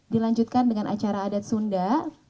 dilanjutkan dengan acara adat sunda